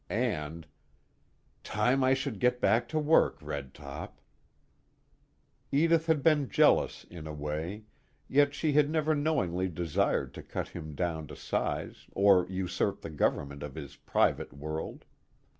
And "Time I should get back to work, Red Top." Edith had been jealous, in a way, yet she had never knowingly desired to cut him down to size or usurp the government of his private world.